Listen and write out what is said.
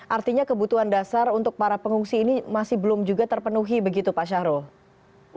artinya kebutuhan dasar untuk para pengungsi ini masih belum juga terpenuhi begitu pak syahrul